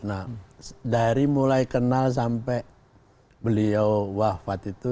nah dari mulai kenal sampai beliau wafat itu